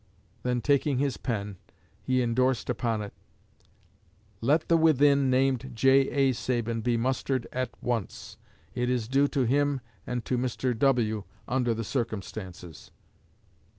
Then, taking his pen, he indorsed upon it: Let the within named J.A. Sabin be mustered AT ONCE. It is due to him and to Mr. W., under the circumstances.